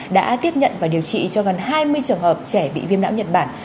đã tiếp nhận và điều trị cho gần hai mươi trường hợp trẻ bị viêm não nhật bản